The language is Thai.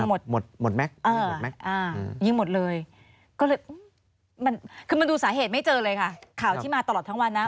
ไม่เจอเลยค่ะข่าวที่มาตลอดทั้งวันนะ